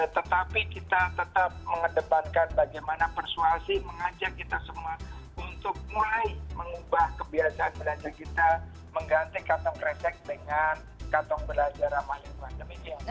tetapi kita tetap mengedepankan bagaimana persuasi mengajak kita semua untuk mulai mengubah kebiasaan belajar kita mengganti kantong kresek dengan kantong belanja ramah lingkungan